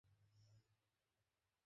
মা তোমাকে কিছুই বলে না।